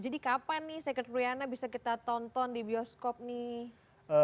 jadi kapan nih secret riana bisa kita tonton di bioskop nih